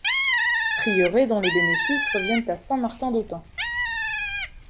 Prieuré dont les bénéfices reviennent à Saint-Martin d'Autun.